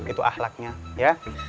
itu ahlaknya ya